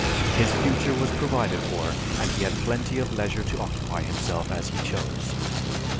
His future was provided for and he had plenty of leisure to occupy himself as he chose.